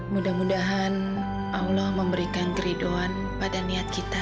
mudah mudahan allah memberikan keridoan pada niat kita